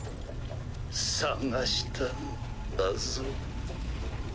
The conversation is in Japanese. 捜したんだぞ。